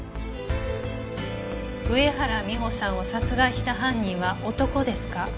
上原美帆さんを殺害した犯人は男ですか。